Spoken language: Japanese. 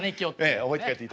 覚えて帰っていただいて。